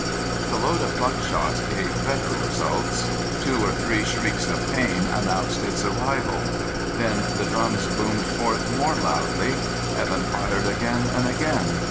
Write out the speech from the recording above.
The load of buckshot gave better results. Two or three shrieks of pain announced its arrival. Then the drums boomed forth more loudly. Evan fired again and again.